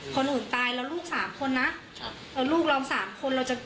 คนอื่นตายแล้วลูกสามคนนะครับแล้วลูกเราสามคนเราจะ